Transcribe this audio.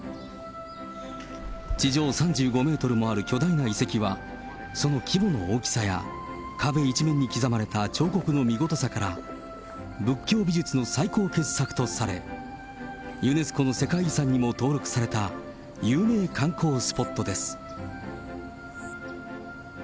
地上３５メートルもある巨大な遺跡は、その規模の大きさや、壁一面に刻まれた彫刻のみごとさから、仏教美術の最高傑作とされ、ユネスコの世界遺産にも登録された有名観光スポットです。